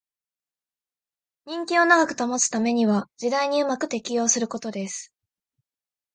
人気を長く保つためには時代にうまく適応することです